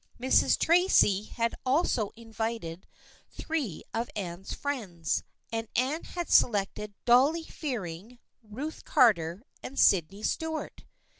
Mrs. Tracy had also invited three of Anne's friends, and Anne had selected Dolly Fearing, Ruth Carter and Sydney Stuart.